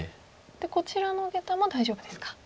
こちらのゲタも大丈夫ですか。